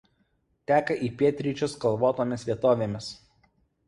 Teka į pietryčius kalvotomis vietovėmis.